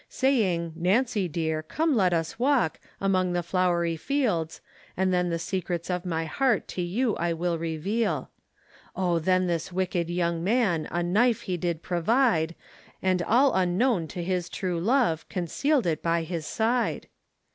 Saying, Nancy dear, come let us walk, Among the flowery fields, And then the secrets of my heart To you I will reveal. O then this wicked young man A knife he did provide, And all unknown to his true love Concealed it by his side.